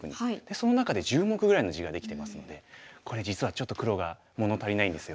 その中で１０目ぐらいの地ができてますのでこれ実はちょっと黒が物足りないんですよ。